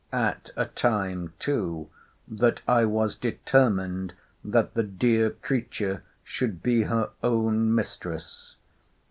—at a time, too, that I was determined that the dear creature should be her own mistress?